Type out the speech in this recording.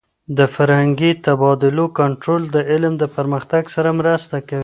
د فرهنګي تبادلو کنټرول د علم د پرمختګ سره مرسته کوي.